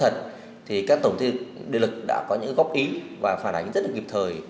thì các tổng tiền lực đã có những góp ý và phản ánh rất kịp thời